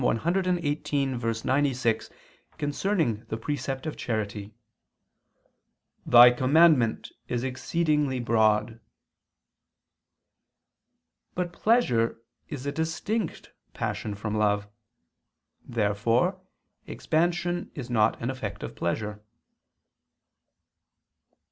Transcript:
118:96) concerning the precept of charity: "Thy commandment is exceeding broad." But pleasure is a distinct passion from love. Therefore expansion is not an effect of pleasure.